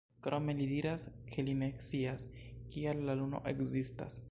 Krome li diras, ke li ne scias, kial la luno ekzistas.